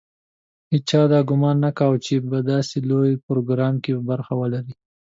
هېچا دا ګومان نه کاوه چې په داسې لوی پروګرام کې به برخه ولري.